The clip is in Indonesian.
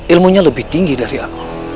ilmunya lebih tinggi dari aku